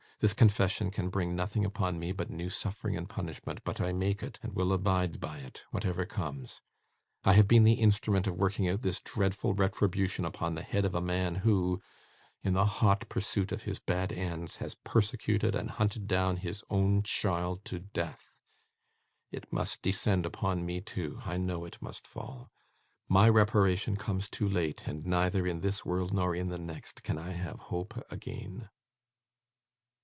This confession can bring nothing upon me but new suffering and punishment; but I make it, and will abide by it whatever comes. I have been made the instrument of working out this dreadful retribution upon the head of a man who, in the hot pursuit of his bad ends, has persecuted and hunted down his own child to death. It must descend upon me too. I know it must fall. My reparation comes too late; and, neither in this world nor in the next, can I have hope again!